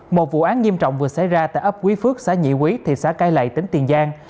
một vụ án nghiêm trọng vừa xảy ra tại ấp quý phước xã nhị quý thị xã cai lậy tỉnh tiền giang